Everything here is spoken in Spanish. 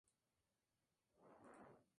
Bateman proviene de una familia acaudalada.